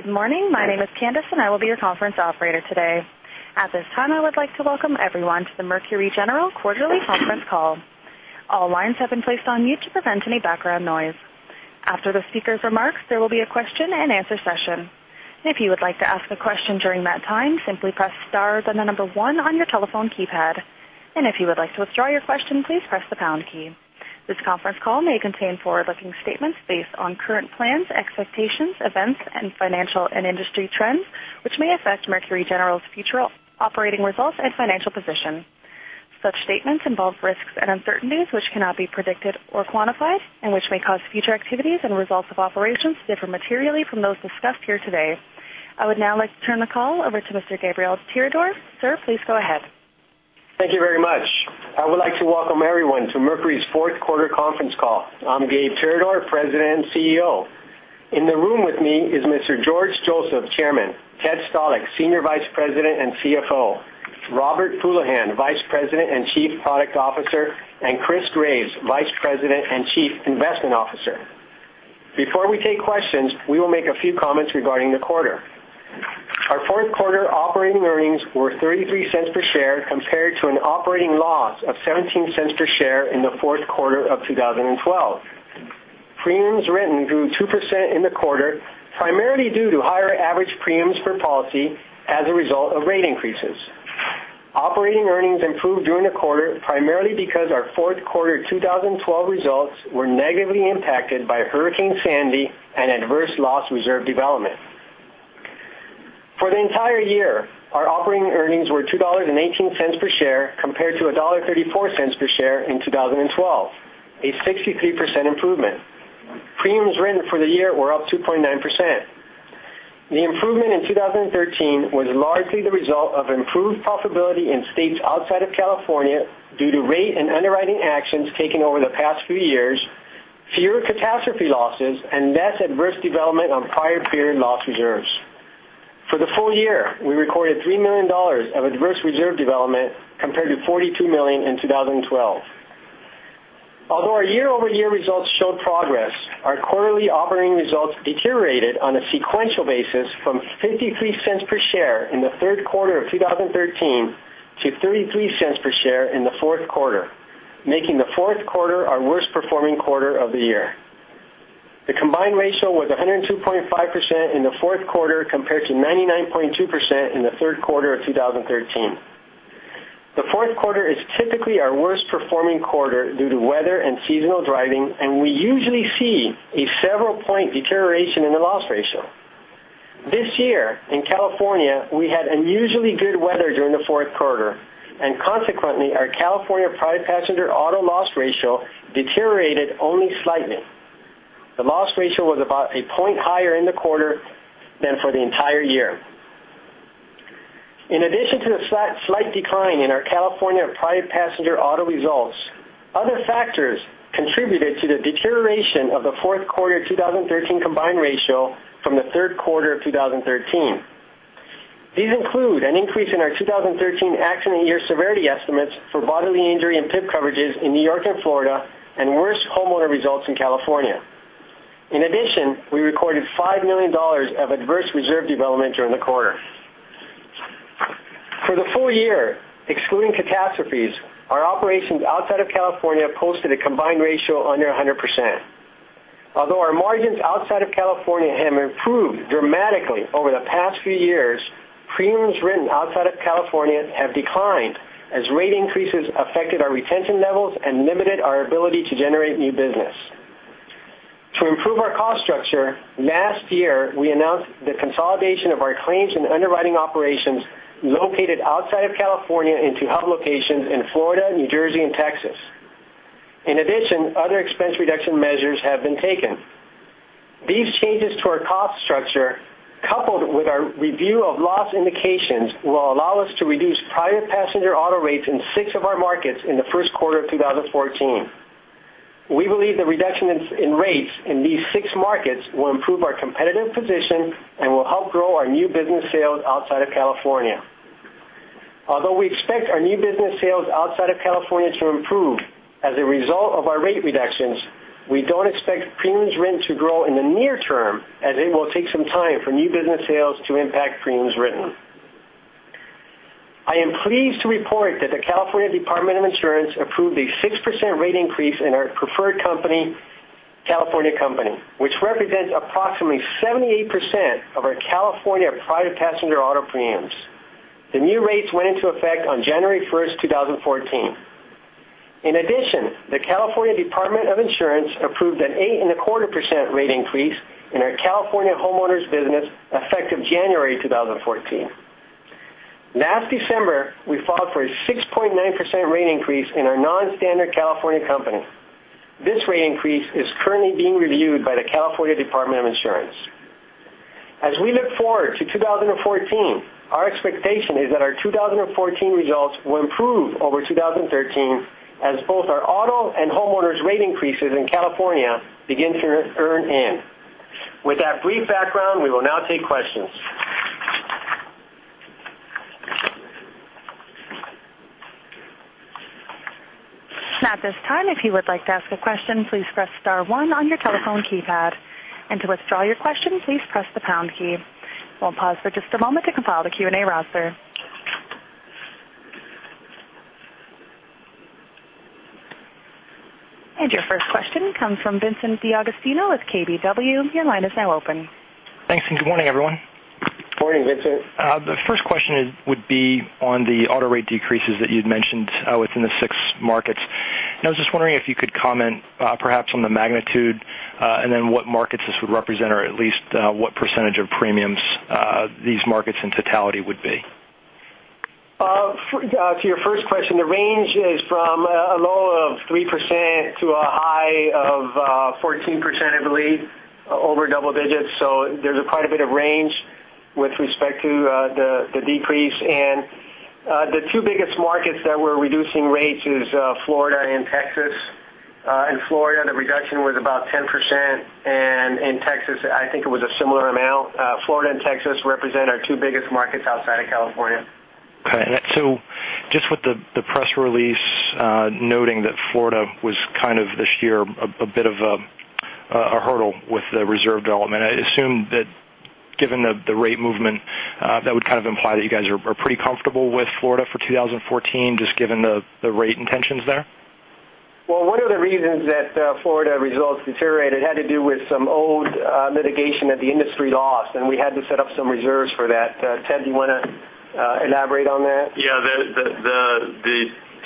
Good morning. My name is Candace, and I will be your conference operator today. At this time, I would like to welcome everyone to the Mercury General Quarterly Conference Call. All lines have been placed on mute to prevent any background noise. After the speakers' remarks, there will be a question-and-answer session. If you would like to ask a question during that time, simply press star then the number one on your telephone keypad. If you would like to withdraw your question, please press the pound key. This conference call may contain forward-looking statements based on current plans, expectations, events, and financial and industry trends, which may affect Mercury General's future operating results and financial position. Such statements involve risks and uncertainties which cannot be predicted or quantified and which may cause future activities and results of operations to differ materially from those discussed here today. I would now like to turn the call over to Mr. Gabriel Tirador. Sir, please go ahead. Thank you very much. I would like to welcome everyone to Mercury's fourth quarter conference call. I'm Gabe Tirador, President and CEO. In the room with me is Mr. George Joseph, Chairman, Ted Stalick, Senior Vice President and CFO, Robert Houlihan, Vice President and Chief Product Officer, and Chris Graves, Vice President and Chief Investment Officer. Before we take questions, we will make a few comments regarding the quarter. Our fourth quarter operating earnings were $0.33 per share compared to an operating loss of $0.17 per share in the fourth quarter of 2012. Premiums written grew 2% in the quarter, primarily due to higher average premiums per policy as a result of rate increases. Operating earnings improved during the quarter primarily because our fourth quarter 2012 results were negatively impacted by Hurricane Sandy and adverse loss reserve development. For the entire year, our operating earnings were $2.18 per share compared to $1.34 per share in 2012, a 63% improvement. Premiums written for the year were up 2.9%. The improvement in 2013 was largely the result of improved profitability in states outside of California due to rate and underwriting actions taken over the past few years, fewer catastrophe losses, and less adverse development on prior period loss reserves. For the full year, we recorded $3 million of adverse reserve development compared to $42 million in 2012. Although our year-over-year results show progress, our quarterly operating results deteriorated on a sequential basis from $0.53 per share in the third quarter of 2013 to $0.33 per share in the fourth quarter, making the fourth quarter our worst-performing quarter of the year. The combined ratio was 102.5% in the fourth quarter compared to 99.2% in the third quarter of 2013. The fourth quarter is typically our worst-performing quarter due to weather and seasonal driving, and we usually see a several-point deterioration in the loss ratio. This year, in California, we had unusually good weather during the fourth quarter, and consequently, our California private passenger auto loss ratio deteriorated only slightly. The loss ratio was about a point higher in the quarter than for the entire year. In addition to the slight decline in our California private passenger auto results, other factors contributed to the deterioration of the fourth quarter 2013 combined ratio from the third quarter of 2013. These include an increase in our 2013 accident year severity estimates for bodily injury and PIP coverages in New York and Florida and worse homeowner results in California. In addition, we recorded $5 million of adverse reserve development during the quarter. For the full year, excluding catastrophes, our operations outside of California posted a combined ratio under 100%. Although our margins outside of California have improved dramatically over the past few years, premiums written outside of California have declined as rate increases affected our retention levels and limited our ability to generate new business. To improve our cost structure, last year, we announced the consolidation of our claims and underwriting operations located outside of California into hub locations in Florida, New Jersey, and Texas. In addition, other expense reduction measures have been taken. These changes to our cost structure, coupled with our review of loss indications, will allow us to reduce private passenger auto rates in six of our markets in the first quarter of 2014. We believe the reduction in rates in these six markets will improve our competitive position and will help grow our new business sales outside of California. Although we expect our new business sales outside of California to improve as a result of our rate reductions, we don't expect premiums written to grow in the near term as it will take some time for new business sales to impact premiums written. I am pleased to report that the California Department of Insurance approved a 6% rate increase in our preferred company, California company, which represents approximately 78% of our California private passenger auto premiums. The new rates went into effect on January 1st, 2014. In addition, the California Department of Insurance approved an 8.25% rate increase in our California homeowners business effective January 2014. Last December, we filed for a 6.9% rate increase in our non-standard California company. This rate increase is currently being reviewed by the California Department of Insurance. As we look forward to 2014, our expectation is that our 2014 results will improve over 2013 as both our auto and homeowners rate increases in California begin to earn in. With that brief background, we will now take questions At this time, if you would like to ask a question, please press star one on your telephone keypad. To withdraw your question, please press the pound key. We'll pause for just a moment to compile the Q&A roster. Your first question comes from Vincent D'Agostino with KBW. Your line is now open. Thanks, good morning, everyone. Morning, Vincent. The first question would be on the auto rate decreases that you'd mentioned within the six markets. I was just wondering if you could comment perhaps on the magnitude, and then what markets this would represent or at least what percentage of premiums these markets in totality would be. To your first question, the range is from a low of 3% to a high of 14%, I believe, over double digits. There's quite a bit of range with respect to the decrease. The two biggest markets that we're reducing rates is Florida and Texas. In Florida, the reduction was about 10%, and in Texas, I think it was a similar amount. Florida and Texas represent our two biggest markets outside of California. Okay. Just with the press release noting that Florida was kind of this year a bit of a hurdle with the reserve development, I assume that given the rate movement, that would kind of imply that you guys are pretty comfortable with Florida for 2014, just given the rate intentions there? Well, one of the reasons that Florida results deteriorated had to do with some old litigation that the industry lost, and we had to set up some reserves for that. Ted, do you want to elaborate on that? Yeah. The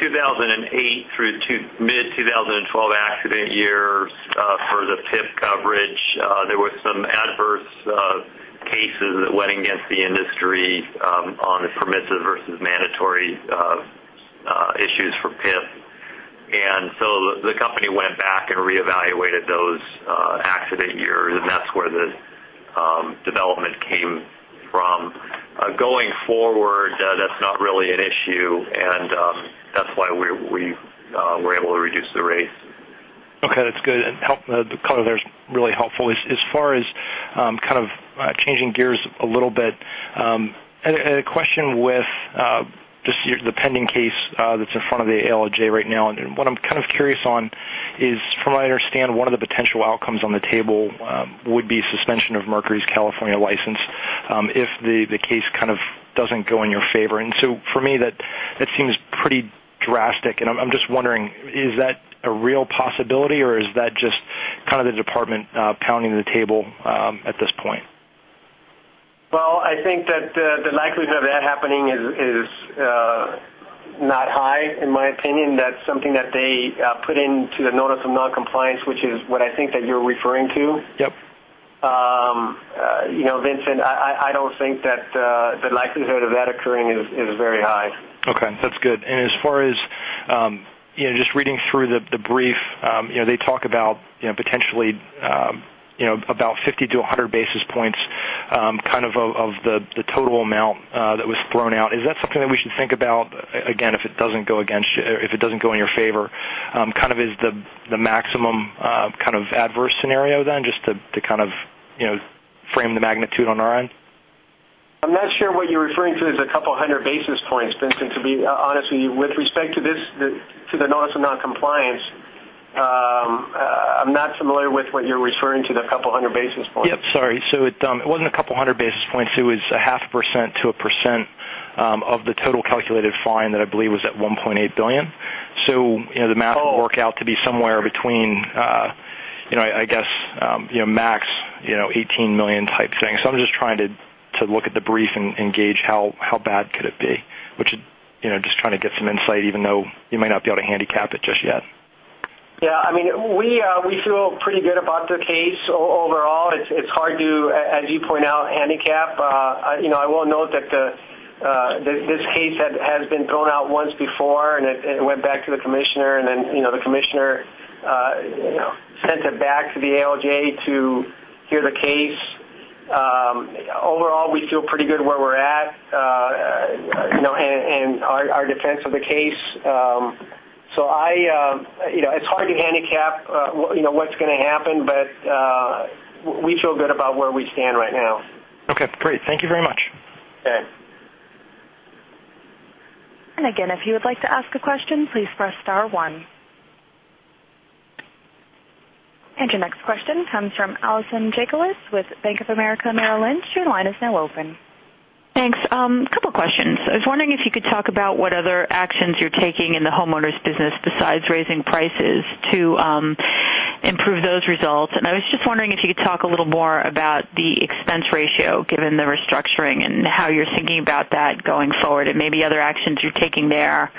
2008 through mid-2012 accident years for the PIP coverage, there were some adverse cases that went against the industry on the permissive versus mandatory issues for PIP. The company went back and reevaluated those accident years, and that's where the development came from. Going forward, that's not really an issue, and that's why we were able to reduce the rates. Okay, that's good. The color there is really helpful. As far as kind of changing gears a little bit, I had a question with just the pending case that's in front of the ALJ right now. What I'm kind of curious on is from what I understand, one of the potential outcomes on the table would be suspension of Mercury's California license if the case kind of doesn't go in your favor. For me, that seems pretty drastic, and I'm just wondering, is that a real possibility or is that just kind of the department pounding the table at this point? Well, I think that the likelihood of that happening is not high, in my opinion. That's something that they put into the notice of non-compliance, which is what I think that you're referring to. Yep. Vincent, I don't think that the likelihood of that occurring is very high. Okay. That's good. As far as just reading through the brief, they talk about potentially about 50 to 100 basis points kind of the total amount that was thrown out. Is that something that we should think about again, if it doesn't go in your favor kind of is the maximum kind of adverse scenario then, just to kind of frame the magnitude on our end? I'm not sure what you're referring to as a couple of hundred basis points, Vincent, to be honest with you. With respect to the notice of non-compliance, I'm not familiar with what you're referring to, the couple of hundred basis points. Yep, sorry. It wasn't a couple of hundred basis points. It was a half % to a % of the total calculated fine that I believe was at $1.8 billion. The math would work out to be somewhere between, I guess, max $18 million type thing. I'm just trying to look at the brief and gauge how bad could it be. Just trying to get some insight, even though you might not be able to handicap it just yet. Yeah. We feel pretty good about the case overall. It's hard to, as you point out, handicap. I will note that this case has been thrown out once before, and it went back to the commissioner, and then the commissioner sent it back to the ALJ to hear the case. Overall, we feel pretty good where we're at and our defense of the case. It's hard to handicap what's going to happen, but we feel good about where we stand right now. Okay, great. Thank you very much. Okay. Again, if you would like to ask a question, please press star one. Your next question comes from Arinson Jakle with Bank of America Merrill Lynch. Your line is now open. Thanks. Couple questions. I was wondering if you could talk about what other actions you're taking in the homeowners business besides raising prices to improve those results. I was just wondering if you could talk a little more about the expense ratio, given the restructuring and how you're thinking about that going forward and maybe other actions you're taking there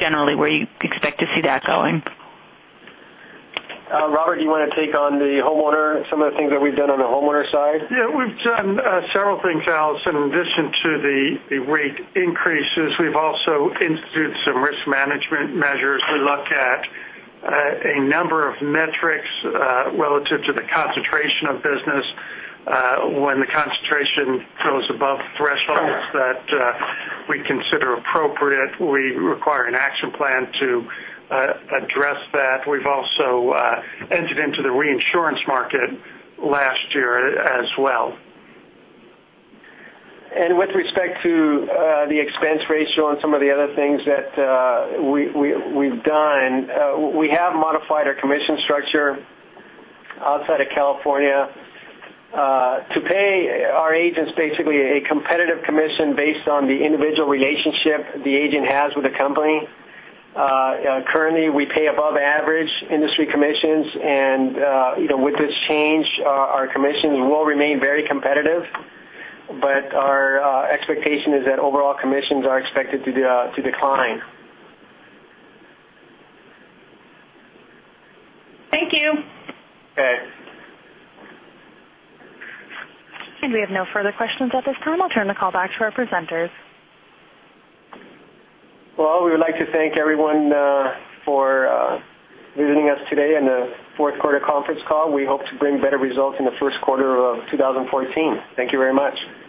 generally where you expect to see that going. Robert, you want to take on the homeowner, some of the things that we've done on the homeowner side? Yeah. We've done several things, Arinson. In addition to the rate increases, we've also instituted some risk management measures. We look at a number of metrics relative to the concentration of business. When the concentration goes above thresholds that we consider appropriate, we require an action plan to address that. We've also entered into the reinsurance market last year as well. With respect to the expense ratio and some of the other things that we've done, we have modified our commission structure outside of California to pay our agents basically a competitive commission based on the individual relationship the agent has with the company. Currently, we pay above average industry commissions, and with this change, our commissions will remain very competitive, but our expectation is that overall commissions are expected to decline. Thank you. Okay. We have no further questions at this time. I'll turn the call back to our presenters. Well, we would like to thank everyone for visiting us today on the fourth quarter conference call. We hope to bring better results in the first quarter of 2014. Thank you very much.